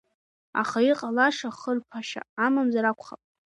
Аха иҟалаша хырԥашьа амамзар акәхап.